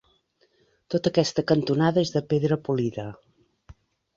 Tota aquesta cantonada és de pedra polida.